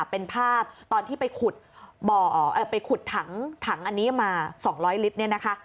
เป็นภาพตอนที่ไปขุดถังอันนี้มา๒๐๐ลิตร